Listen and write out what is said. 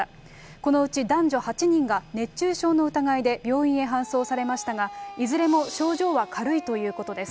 このうち男女８人が熱中症の疑いで病院へ搬送されましたが、いずれも症状は軽いということです。